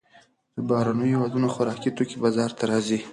د بهرنیو هېوادونو خوراکي توکي بازار ته راځي.